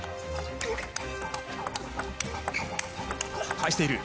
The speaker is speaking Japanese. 返している。